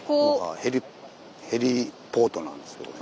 ヘリポートなんですけどね。